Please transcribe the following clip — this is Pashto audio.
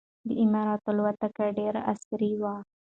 د اماراتو الوتکه ډېره عصري وه.